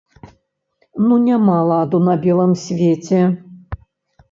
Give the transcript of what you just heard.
Ну няма ладу на белым свеце!